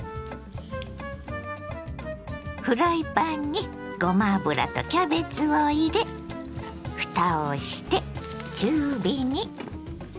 フライパンにごま油とキャベツを入れふたをして中火に。